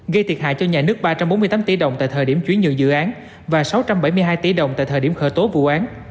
gây thiệt hại cho nhà nước ba trăm bốn mươi tám tỷ đồng tại thời điểm chuyển nhượng dự án và sáu trăm bảy mươi hai tỷ đồng tại thời điểm khởi tố vụ án